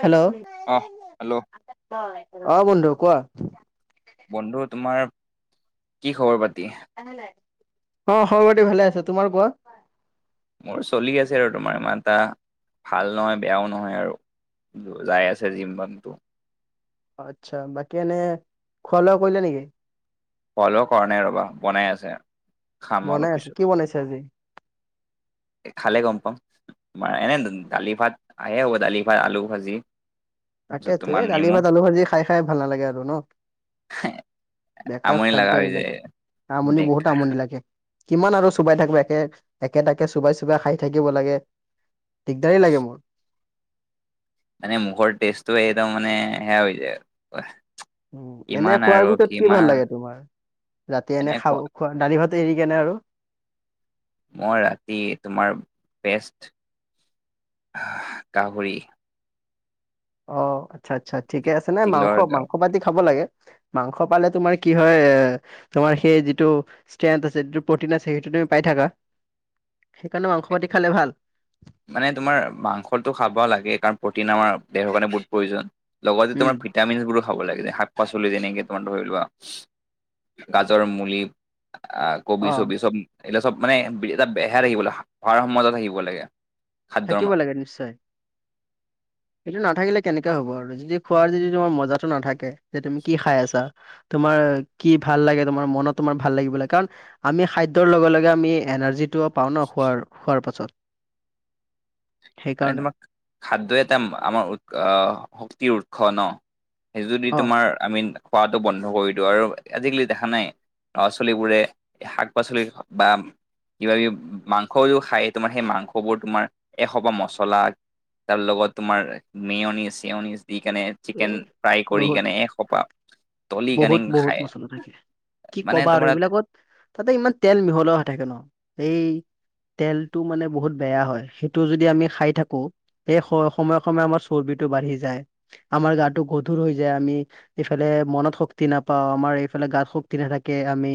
Hello? অহ, hello. অ, বন্ধু কোৱা। বন্ধু তোমাৰ কি খবৰ পাতি? অ, খবৰপাতি ভালে আছে, তোমাৰ কোৱা? মোৰ চলি আছে আৰু তোমাৰ ইমান এটা ভাল নহয় বেয়াও নহয় আৰু। যাই আছে জিম বনটো আচ্ছা বাকী এনে, খোৱা - লোৱা কৰিলে নেকি? খুৱা - লোৱা কৰা নাই ৰ'বা! বনাই আছে খাম বনাই অলপ আছে পিছত। কি বনাইছে আজি খালে গম পাও, বা এনে দালি - ভাত আহে হ'ব দালি - ভাত, আলু ভাজি। তাৰপিছত তাকেতো তোমাৰ এই দালি - নেমু ভাত, আলু ভাজি খাই খাই ভাল নালাগে আৰু ন? বেকাৰ আমনি খাদ্য লগা হৈ এইবিলাক, যায় আমনি বহুত বেকাৰ আমনি লাগে। কিমান আৰু চোবাই থাকিবা, একে - একে তাকে চোবাই - চোবাই খাই থাকিব লাগে। দিগদাৰেই লাগে মোৰ। এনে মুখৰ টেষ্টটো এইটো মান সেয়া হৈ যায় উম, এনে কিমান খোৱাৰ আৰু ভিতৰত কি ভাল কিমান লাগে তোমাৰ ৰাতি এনে খাব খোৱা দালি - ভাতে এৰি কেনে আৰু? মই ৰাতি তোমাৰ বেষ্ট আহ গাহৰি। অ, আচ্ছা - আচ্ছা ঠিকে আছে ন মাংস তিলৰ - গাহৰি মাংস পাতি খাব লাগে। মাংস পালে তোমাৰ কি হয় এ তোমাৰ সেই যিটো ষ্ট্ৰেন আছে যিটো প্ৰটিন আছে সেইটো তুমি পাই থাকা সেইকাৰণে মাংস পাতি খালে ভাল। মানে তোমাৰ মাংসটো খাব লাগে কাৰণ প্ৰটিন আমাৰ দেহৰ কাৰণে বহুত প্ৰয়োজন। লগতে উম তোমাৰ ভিটামিনবোৰো খাব লাগে যে শাক- পাচলি যেনেকে তোমাৰ ধৰি লোৱা। গাজৰ, মুলি আহ অ কবি, চবি চব এইবিলাক চব মানে এটা বেহাই থাকিব লাগে খোৱাৰ সময়ত থাকিব লাগে। খাদ্যৰ থাকিব লাগে নিশ্চয়। এইটো নাথাকিলে কেনেকে হ'ব আৰু যদি খোৱাৰ যদি তোমাৰ মজাটো নাথাকে যে তুমি কি খাই আছা? তোমাৰ কি ভাল লাগে, তোমাৰ মনত তোমাৰ ভাল লাগিবলৈ কাৰণ আমি খাদ্যৰ লগে লগে আমি এনাৰ্জিটোও পাও‌ ন খোৱাৰ - খোৱাৰ পাছত। [inaudible] মানে সেইকাৰণে তোমাক খাদ্যই এটা আমাৰ উৎ আহ শক্তিৰ উৎস ন'? সেই যদি অ তোমাৰ আমিন খোৱাটো বন্ধ কৰি দিও আৰু আজিকালি দেখা নাই ল'ৰা-ছোৱালীবোৰে শাক-পাচলি বা কিবা - কিবি মাংসও খায় তোমাৰ সেই মাংসবোৰ তোমাৰ এসোপামান মচলা তাৰ লগত তোমাৰ মেয়নিচ -চেয়নিচ দি কেনে এ চিকেন ফ্ৰাই কৰি বহুত কেনে এসোপাহ বহুত -বহুত মচলা থাকে, কি মানে ক'বা আৰু তোমাৰ এইবিলাকত তাতে ইমান তেল মিহলা হৈ থাকে ন সেই তেলটো মানে বহুত বেয়া হয় সেইটো যদি আমি খাই থাকো সেই স সময়ে - সময়ে আমাৰ চৰ্বিটো বাঢ়ি যায়। আমাৰ গাটো গধুৰ হৈ যায়, আমি এইফালে মনত শক্তি নাপাওঁ, আমাৰ এইফালে গাত শক্তি নাথাকে আমি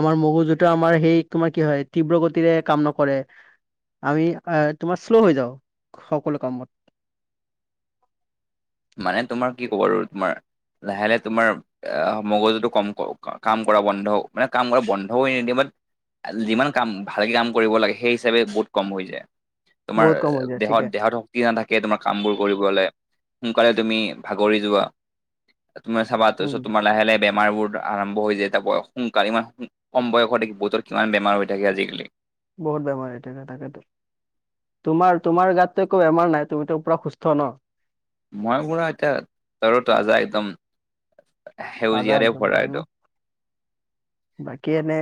আমাৰ মগজুতো আমাৰ সেই তোমাৰ কি হয় তীব্ৰ গতিৰে কাম নকৰে। আমি আ তোমাৰ শ্ল' হৈ যাও সকলো কামত। মানে তোমাৰ কি ক'ব আৰু তোমাৰ লাহে- লাহে তোমাৰ আহ মগজুটো কম কাম কৰা বন্ধ মানে কাম কৰা বন্ধ হৈ নিদিয়ে ম যিমান কাম ভালকে কাম কৰিব লাগে সেই হিচাপে বহুত কম হৈ যায়। তোমাৰ বহুত কম হৈ যায় ঠিকে দেহত দেহতো শক্তি নাথাকে তোমাৰ কামবোৰ কৰিবলৈ, সোনকালে তুমি ভাগৰি যোৱা। তুমি চাবা উম তাৰপিছত তোমাৰ লাহে - লাহে বেমাৰবোৰ আৰম্ভ হৈ যায়, এটা বয়স সোনকালে ইমান কম বয়স হৈ থাকে বহুতৰে কিমান বেমাৰ হৈ থাকে আজিকালি। বহুত বেমাৰ হৈ থাকে তাকেতো। তোমাৰ, তোমাৰ গাততো একো বেমাৰ নাই তুমিতো পুৰা সুস্থ ন? মই পুৰা এতিয়া [inaudible] তাজা একদম তাজা সেউজীয়াৰে ভৰা পুৰা ন একদম। [unintelligible] বাকী এনে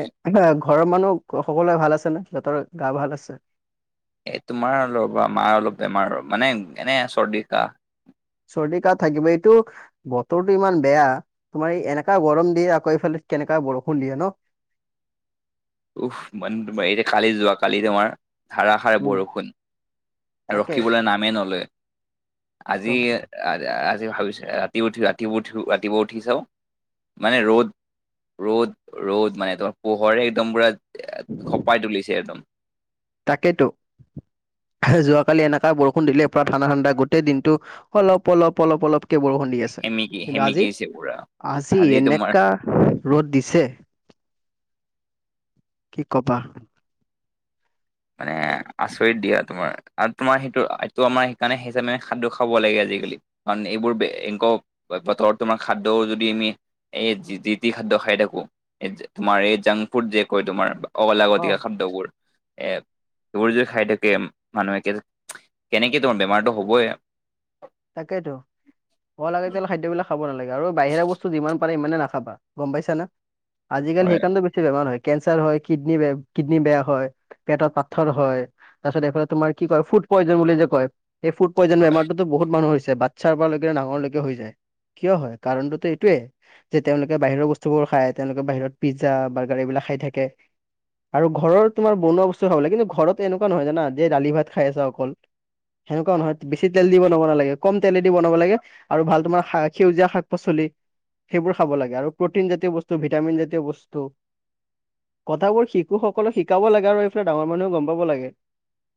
ঘৰৰ মানুহ সকলোৱে ভাল আছে ন' সিহঁতৰ গা ভাল আছে? এই তোমাৰ ৰবা! মাৰ অলপ বেমাৰ মানে এনে চৰ্দি কাহ। চৰ্দি, কাহ থাকিব এইটো বতৰটো ইমান বেয়া, তোমাৰ এনেকা গৰম দিয়ে আকৌ এইফালে কেনেকা বৰষুণ দিয়ে ন'? উহ, মানে তোমাৰ এতিয়া কালি যোৱাকালি তোমাৰ ধাৰাসাৰ উম বৰষুণ, তাকে ৰখিবলৈ নামেই নলয় একদম আজি আ আ আজি ভাবিছে ৰাতি উঠি ৰাতিপুৱা উঠি ৰাতিপুৱা উঠি চাও মানে ৰ'দ ৰ'দ ৰ'দ মানে তোমাৰ পোহৰে একদম পুৰা খপাই তুলিছে একদম। তাকেইেতো, আহাঁ যোৱাকালি এনেকা বৰষুণ দিলে পুৰা ঠাণ্ডা- ঠাণ্ডা গোটেই দিনটো অলপ, অলপ, অলপ অলপকে বৰষুণ দি আছে সেমেকি কিন্তু আজি সেমেকিছে পুৰা - আজি এনেকা ৰ'দ দিছে কি ক'বা? মানে আচৰিত দিয়া তোমাৰ। আৰু তোমাৰ সেইটো এইটো আমাৰ সেইকাৰণে হেকানে খাদ্য খাব লাগে আজিকালি। কাৰণ এইবোৰ এনকাও বতৰত তোমাৰ খাদ্য যদি আমি এই যি টি খাদ্য খাই থাকো, এই তোমাৰ এই জাংক ফুড যে কয় তোমাৰ অ অলাগতিয়া খাদ্যবোৰ এট এইবোৰ যে খাই থাকে মানুহে কেনেকে তোমাৰ বেমাৰতো হবই। তাকেইেতো, অলাগতিয়াল খাদ্যবিলাক খাব নালাগে আৰু বাহিৰা বস্তু যিমান পাৰি ইমানে নাখাবা গম পাইছা ন? আজিকালি হয় সেইকাৰণ বে ছি বেমাৰ হয় কেঞ্চাৰ হয়, কিডনী বে কিডনী বেয়া হয়। পেটত পাথৰ হয় তাৰপিছত এইফালে তোমাৰ কি কয় ফুড পয়জন বুলি যে কয়, সেই ফুড পইজন বেমাৰটোতো বহুত মানুহ হৈছে, বাচ্ছাৰ পৰালৈকে ডাঙৰলৈকে হৈ যায়, কিয় হয় কাৰণটোতো এইটোয়ে। যে তেওঁলোকে বাহিৰৰ বস্তুবোৰ খায় তেওঁলোকে বাহিৰত পিজ্জা বাৰ্গাৰ এইবিলাক খাই থাকে। আৰু ঘৰৰ তোমাৰ বনোৱা বস্তু খাব লাগলে কিন্তু ঘৰত এনেকুৱা নহয় জান যে দালি ভাত খাই আছা অকল। সেনেুৱা নহয়, বেছি তেল দি বনাব নালগে। কম তেলেদি বনাব লাগে, আৰু ভাল তোমাৰ সেউজীয়া শাক পাচলি। সেইবোৰ খাব লাগে আৰু প্ৰটিন জাতীয় বস্তু, ভিটামিন জাতীয় বস্তু। কথাবোৰ শিশুসকলক শিকাব লাগে আৰু এইফালে ডাঙৰ মানুহে গম পাব লাগে।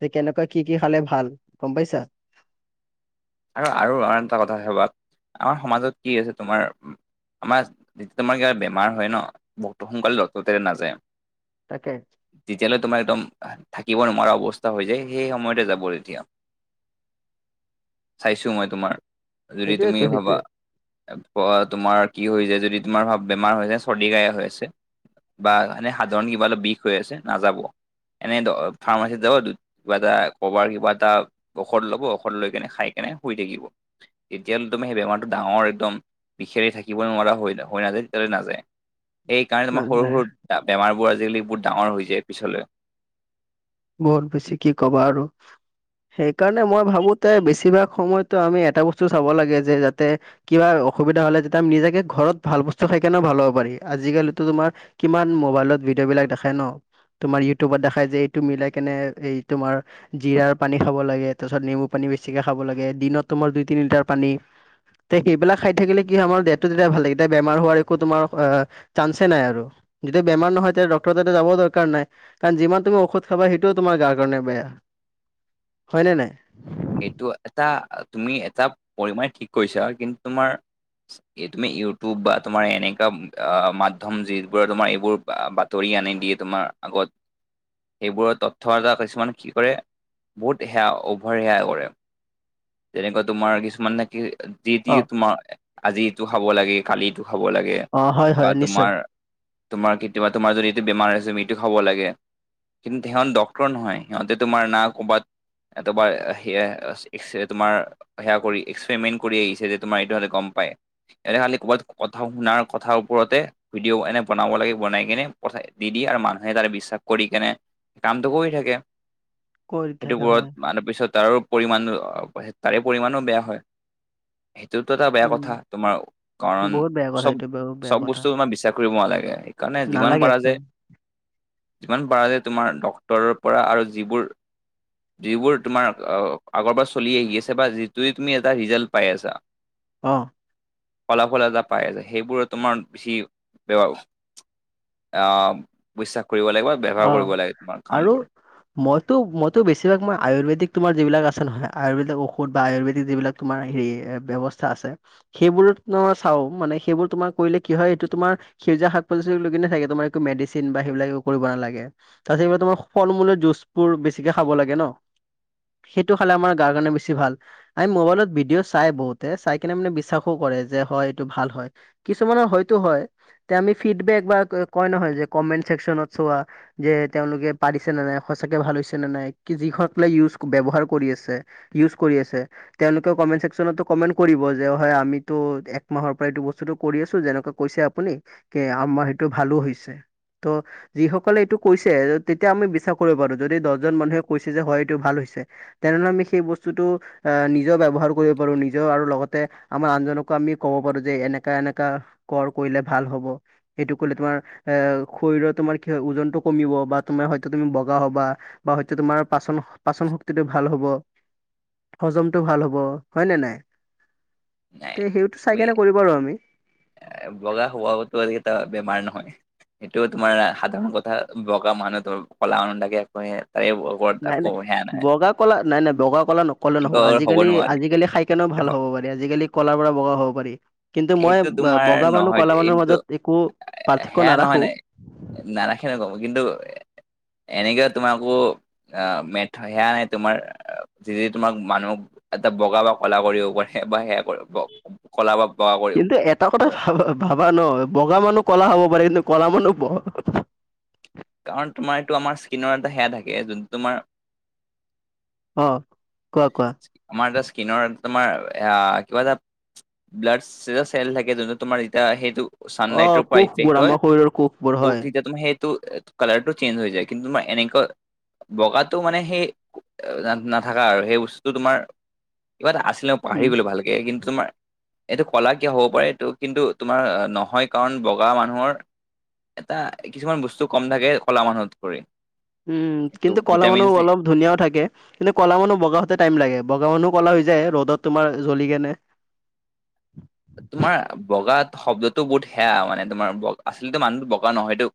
যে কেনেকুৱা কি কি খালে ভাল, গম পাইছা? আৰু আৰু আন এটা কথা [unintelligible] আমাৰ সমাজত কি আছে তোমাৰ আমাৰ, ইস্থমাকেইটাত বেমাৰ হয় ন' বহুতো সোনকালে [unintelligible] নাযায়। তাকে। তেতিয়ালৈ তোমাৰ একদম থাকিব নোৱাৰা অৱস্থা হৈ যায় সেই সময়তে যাব এতিয়া। চাইছো মই তোমাৰ, যদি তুমি সেইটোয়েতো ভাবা। সেইটোয়ে তোমাৰ কি হৈ যায় যদি তোমাৰ বেমাৰ হৈ যায় চৰ্দি কাহে হৈ আছে। বা এনে সাধাৰণ কিবা অলপ বিষ হৈ আছে নাযাব। এনে ফাৰ্মাচীত যাব, কিবা এটা কবাৰ কিবা এটা, ঔষধ ল'ব ঔষধ লৈ কেনে খাই এনে শুই থাকিব, তেতিয়া হলে তোমাৰ সেই বেমাৰটো ডাঙৰ একদম বিষেৰে থাকিব নোৱাৰা হয় হৈ নাযায় তেতিয়াহলে নাযায়। সেইকাৰণে তোমাৰ সৰু নাযায় সৰু, বেমাৰবোৰ আজিকালি বহুত ডাঙৰ হৈ যায় পিছলৈ। বহুত বেছি কি ক'বা আৰু। সেইকাৰণে মই ভাবোতে বেছিভাগ সময়তো আমি এটা বস্তু চাব লাগে যে যাতে কিবা অসুবিধা হ'লে যেতিয়া নিজকে ঘৰত ভাল বস্তু খাই কেনেও ভাল হ'ব পাৰি, আজিকালিতো তোমাৰ কিমান মোবাইলত ভিডিঅ' বিলাক দেখাই ন' তোমাৰ ইউটিউবত দেখাই যে। টো মিলাই কেনে এই তোমাৰ জিৰাৰ পানী খাব লাগে তাৰপিছত নেমু পানী বেছিকে খাব লাগে দিনত তোমাৰ দুই তিনি লিটাৰ পানী তে সেইবিলাক খাই থাকিলে কি আমাৰ দেহটো তেতিয়া ভাল লাগে তেতিয়া বেমাৰ হোৱাৰ একো তোমাৰ আহ চাঞ্চ এ নাই আৰু, যেতিয়া বেমাৰ নহয় তেতিয়া ডক্টৰ তাতে যাব দৰকাৰ নাই, কাৰণ যিমান তুমি ঔষধ খাবা সেইটোও তোমাৰ গাৰ কাৰণে বেয়া, হয়নে নাই? সেইটো এটা তুমি এটা পৰিমাণে ঠিক কৰিছা কিন্তু তোমাৰ এই তুমি ইউটিউব বা তোমাৰ এনেকা আহ মাধ্যম যিবোৰে তোমাৰ এইবোৰ বা তৰি আনি দিয়ে তোমাৰ আগত। সেইবোৰৰ তথ্য যাৰ কিছুমান কি কৰে, বহুত সেয়া অভাৰ সেয়া কৰে, তেনেকুৱা তোমাৰ কিছুমান নেকি দি দি অ তোমাৰ আজি এইটো খাব লাগে কালি এইটো খাব লাগে, অ হয় হয় বা নিশ্চয় তোমাৰ তোমাৰ কেতিয়াবা তোমাৰ যদি এইটো বেমাৰ আছে এইটো খাব লাগে। কিন্তু সিহঁত ডক্তৰ নহয় সিহঁতে তোমাৰ না ক'বাত, তোমাৰ সেইয়া এক্সৰে তোমাৰ, সেয়া কৰি এক্সপেৰিমেন্ট কৰি আহিছে যে তোমাৰ এইটো হাতে গম পাই। এনে খালি ক'বাত কথা শুনাৰ কথাৰ ওপৰতে ভিডিঅ' এনে বনাব লাগে বনাই কেনে, পঠাই দি দিয়ে আৰু মানুহে তাৰে বিশ্বাস কৰি কেনে কামটো কৰি থাকে। কৰি থাকে সেইটোবোৰত হয় মানু্হ পিছত তাৰো পৰিমণ, তাৰে পৰিমাণো বেয়া হয়। সেইটোতো এটা বেয়া কথা উম তোমাৰ, কাৰণ, বহুত বেয়া কথা এইটো বহুত বেয়া চবহচব কথা বস্তু তোমাৰ বিশ্বাস কৰিব নালাগে সেইকাৰণে যিমান নালাগে পাৰা একদম যায় যিমান পাৰে তোমাৰ ডক্টৰ পৰা আৰু যিবোৰ, যিবোৰ তোমাৰ আগৰবাৰ চলি আহি আছে বা যিটোয়ে তুমি এটা ৰিজাল্ট পাই আছা। অ', ফলাফল এটা পাই আছে সেইবোৰ তোমাৰ বেছি [unintelligible] অ', বিশ্বাস কৰিব লাগিব। অ', আৰু? মইতো মইতো বেছিভাগ মই আয়ুৰেদিক তোমাৰ যিবিলাক আছে নহয়, আয়ুৰ্বেদিক ঔষধ বা আয়ুৰ্বদিক যিবিলাক তোমাৰ হেৰি এ ব্যৱস্থা আছে। সেইবোৰ তোমাৰ চাওঁ মানে সেইবোৰ তোমাৰ কৰিলে কি হয় এইটো তোমাৰ সেজীয়া শাক-পাচলি লৈ কিনে থাকে তোমাৰো মেডিচিন বা সেইবিলাক কৰিব নালাগে, তাৰ পিছত এইবাৰ তোমাৰ ফল-মূলৰ জুচবোৰ বেছিকে খাব লাগে ন। সেইটো খালে আমাৰ গাৰ কাৰণে বেছি ভাল। আমি মোবাইলত ভিডিঅ' চাই বহুতে চাই কিনে মানে বিশ্বাসো কৰে যে হয় এইটো ভাল হয়। কিছুমানৰ হয়তো হয়, তে আমি ফিডবেক বা কয় নহয় যে কমেন্ট ছেক্যনত চোৱা যে তেওঁলোকে পাৰিছে নে নাই সচাঁকে ভাল হৈছে নে নাই কি যিখন ফ্লে ইউজ ব্যৱহাৰ কৰি আছে। ইউজ কৰি আছে। তেওঁলোকে কমেণ্ট চছেকনতো কমেন্ট কৰিব যে হয় আমিতো একমাহৰ পৰা এইটো বস্তুটো কৰি আছো যেনেকা কৈছে আপুনি কি আমাৰ সেইটো ভালো হৈছে ত যিসকলে এইটো কৈছে তেতিয়া আমি বিশ্বাস কৰিব পাৰো যদি দহজন মানুহে কৈছে যে হয় এইটো ভাল হৈছে। তেনেহলে আমি সেই বস্তুটো আহ নিজেও ব্যৱহাৰ কৰিব পাৰো নিজেও আৰু লগতে আমাৰ আনজনকো আমি ক'ব পাৰো যে এনেকা এনেকা কৰ কৰিলে ভাল হ'ব, এইটো কৰিলে তোমাৰ এ শৰীৰৰ তোমাৰ কি হয় ওজনতটো কমিব বা তোমাৰ হয়তো তুমি বগা হ'বা বা হয়টো তোমাৰ পাচন পাচন শক্তিটো ভাল হ'ব। হজমটো ভাল হ'ব হয় নে নাই? নাই তে সেইটো চাই তুমি কেনে কৰিব ৰু আমি। বগা হোৱাওটো এটা বেমাৰ নহয়। সেইটো তোমাৰ সাধাৰণ কথা বগা মানুহটো কলা মানুহ থাকে [unintelligible] নাই নাই বগা কলা নাই নাই বগা কলা ন কলে নহ'ব হ'ব আজিকালি নোৱাৰে আজিকালি খাই কেনেও ভাল হ'ব পাৰি, আজিকালি কলাৰ পৰা বগা হ'ব পাৰি। কিন্তু মই এইটো তোমাৰ বগা মানুহ নহয় কলা মানুহ এইটো মাজত একো পাৰ্থক্য নাৰাখো। নাৰাখিনে ক'ব কিন্তু এনেকে তোমাৰকো আ মেথয়া সেয়া নে তোমাৰ যিযিত তোমাক মানুহক এটা বগা বা ক'লা কৰিব পাৰে বা সেয়া কৰ ব কলা বা বগা কৰি কিন্তু এটা কথা ভা ভাবা ন, বগা মানুহ কলা হ'ব পাৰে কিন্তু কলা মানুহ ব- কাৰণ তোমাৰ এইটো আমাৰ স্ত্ৰিণৰ এটা সেয়া থাকে যোনটো তোমাৰ অ কোৱা কোৱা? আমাৰ এটা স্কিনৰ তোমাৰ সেয়া কিবা এটা ব্লাড চে চেল থাকে যোনটো তোমাৰ এতিয়া সেইটো অ ছানলাইটৰ পৰা কোষবোৰ ইফেক্ট হয়, আমাৰ শৰীৰৰ কোষবোৰ ওক হয় তেতিয়া তুমি সেইটো কালাৰটো চেঞ্জ হৈ যায় কিন্তু তোমাৰ এনেকুৱা বগাটো মানে সেই আ না নাথা- কা আৰু সেই বস্তু তোমাৰ কিবা এটা আছিলে মই পাহৰি উম গলো ভালকে কিন্তু তোমাৰ এইটো কলা কিয় হব পাৰে এইটো কিন্তু তোমাৰ নহয় কাৰণ বগা মানুহৰ এটা কিছুমান বস্তু কম থাকে কলা মানুহত কৰি। উম এইটো কিন্তু কলা ভিটামিন মানুহ চি, অলপ ধুনীয়াও থাকে। কিন্তু কলা মানুহ বগা হতে টাইম লাগে। বগা মানুহ কলা হৈ যায় ৰ'দত তোমাৰ জ্বলি কেনে। তোমাৰ বগাত শব্দটো বহুত সেয়া মানে তোমাৰ ব আচলতে মানুহ বগা নহয়টো।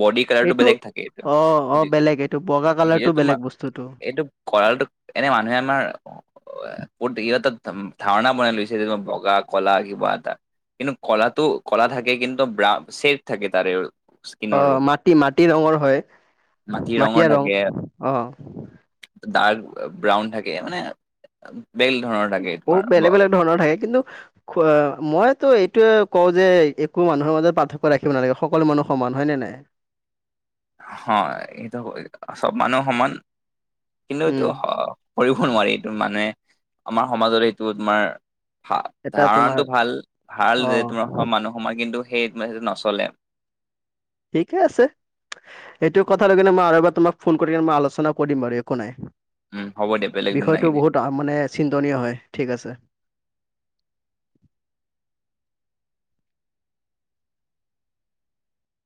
বডি কালাৰটো এইটো বেলেগ থাকে অ [unintelligible] অ বেলেগ এইটো বগা সেইয়ে কালাৰটো তোমাৰ বেলেগ বস্তুটো এইটো কলাটোক এনে মানুহে আমাৰ বহুত দেৰি হতক ধাম ধাৰনা বনাই লৈছে মই বগা কলা কিবা এটা, কিন্তু কলাটো কলা থাকে কিন্তু চেফ থাকে তাৰে। অ স্কিনৰো মাটি মাটি ৰঙৰ হয় মাটি ৰঙৰ মাটিয়া ৰং থাকে অ। ডাৰ্ক ব্ৰাউন থাকে মানে বেল ধৰ- বহু বেলেগ বেলেগ ধৰণৰ থাকে কিন্তু খোৱা, মইতো এইটোয়ে কওঁ যে একো মানুহৰ মাজত পাৰ্থক্য ৰাখিব নালাগে, সকলো মানুহ সমান হয় নে নাই? হয়, এইটো চব মানুহ সমান। কিন্তু উম, এইটো কৰিব নোৱাৰি এইটো মানুহে, আমাৰ সমাজত এইটো তোমাৰ ভা এটা তোমাৰ ধাৰণটো ভাল, অ, ভাল যে তোমাৰ মানুহ সমা কিন্তু সে সেইটো নচলে। এইকে আছে। ইটো কথা লৈ কিনে মই আৰু এবাৰ তোমাক ফোন কৰিম মই আলোচনা কৰিম বাৰু একো নাই। উম, হ'ব দিয়া বেলেগ দিন নাহিবি। তাৰমানে চিন্তনীয় হয় ঠিক আছে।